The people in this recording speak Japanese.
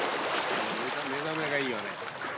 目覚めがいいよね。